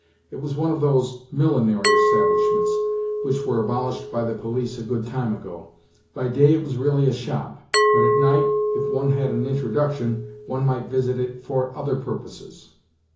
It was one of those " milli nery establishments " which were abolished by the police a good time ago. By day it really was a shop ; but at night, if one had an introduction, one might visit it for other purposes.